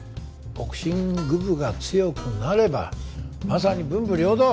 ボクシング部が強くなればまさに文武両道！